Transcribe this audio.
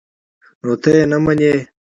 _نو ته يې نه منې؟